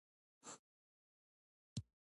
بنسټیزه ازادي وي په پښتو ژبه.